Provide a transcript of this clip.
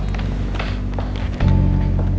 sekali lagi ya pak